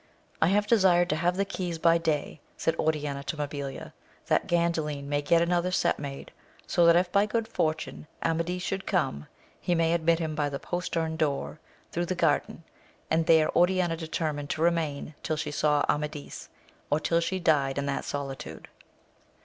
I have desired to have the keys by day, said Oriana to Mabilia, that Gandalin may get another set made, so that if by good fortune Amadis should come, we may admit him by the postern door thro' the garden ; and there Oriana determined to remain till she saw Amadis, or till she died in that solitude.